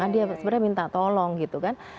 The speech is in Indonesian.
dia sebenarnya minta tolong gitu kan